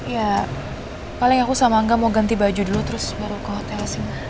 ya paling aku sama angga mau ganti baju dulu terus baru ke hotel sih